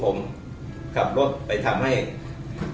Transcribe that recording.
ขับรถไปทำให้ทุกคนที่ลูกผมขับรถไปทำให้ทุกคน